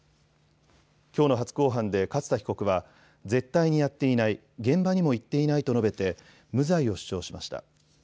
きょうの初公判で勝田被告は絶対にやっていない現場にも行っていないと述べて無罪を主張しました。